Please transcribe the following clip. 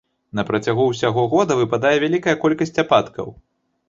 На працягу ўсяго года выпадае вялікая колькасць ападкаў.